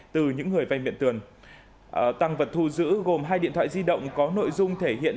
từ những người vay mượn tiền tăng vật thu giữ gồm hai điện thoại di động có nội dung thể hiện